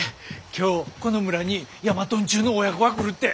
今日この村にヤマトンチュの親子が来るって。